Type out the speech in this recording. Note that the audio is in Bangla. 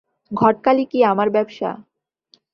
ঘটকালি কি আমার ব্যাবসা।